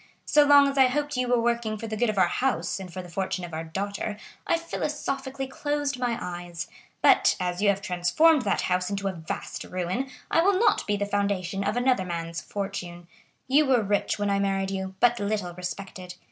So long as I hoped you were working for the good of our house and for the fortune of our daughter, I philosophically closed my eyes; but as you have transformed that house into a vast ruin I will not be the foundation of another man's fortune. You were rich when I married you, but little respected.